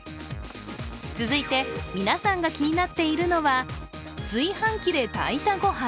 続いて、皆さんが気になっているのは炊飯器で炊いたごはん。